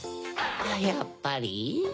やっぱり。